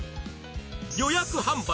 予約販売